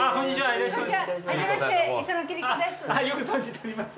よく存じております。